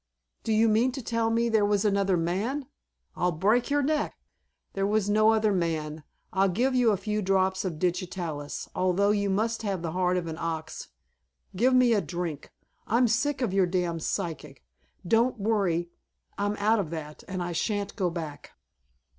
"Do you mean to tell me there was another man? I'll break your neck." "There was no other man. I'll give you a few drops of digitalis, although you must have the heart of an ox " "Give me a drink. I'm sick of your damn physic. Don't worry. I'm out of that, and I shan't go back."